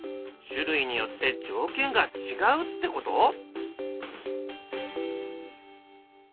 種類によって条件が違うってこと？